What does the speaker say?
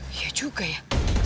iya juga ya